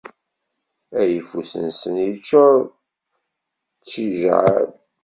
Ayeffus-nsen iččur d tijeɛɛal.